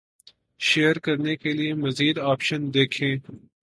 share کرنے کے لیے مزید آپشن دیکھ„یں